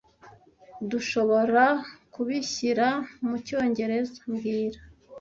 Urdushoborakubishyira mucyongereza mbwira